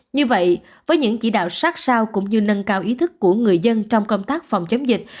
như vậy với những chỉ đạo sát sao cũng như nâng cao ý thức của người dân trong công tác phòng chống dịch